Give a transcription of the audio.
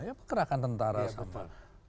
ya pergerakan tentara sama